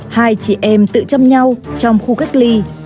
hai chị em tự chăm nhau trong khu cách ly